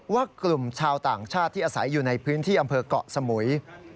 ว่ากลุ่มชาวต่างชาติที่อาศัยอยู่ในพื้นที่อำเภอกเกาะสมุย